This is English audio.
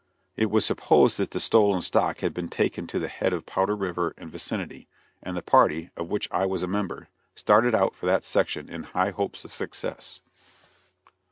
It was supposed that the stolen stock had been taken to the head of Powder River and vicinity, and the party, of which I was a member, started out for that section in high hopes of success.